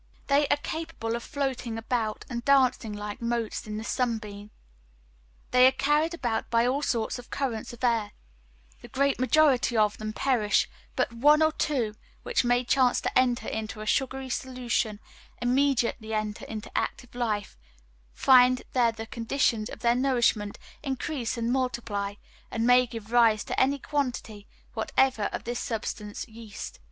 They are capable of floating about and dancing like motes in the sunbeam; they are carried about by all sorts of currents of air; the great majority of them perish; but one or two, which may chance to enter into a sugary solution, immediately enter into active life, find there the conditions of their nourishment, increase and multiply, and may give rise to any quantity whatever of this substance yeast.